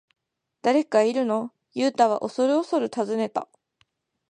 「誰かいるの？」ユウタはおそるおそる尋ねた。